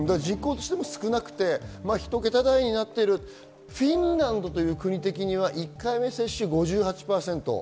少なくて１桁台になっているフィンランドという国的には１回目の接種が５８％。